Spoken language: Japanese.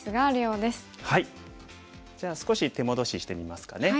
じゃあ少し手戻ししてみますかね。